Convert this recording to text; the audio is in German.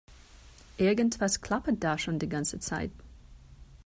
Irgendwas klappert da schon die ganze Zeit.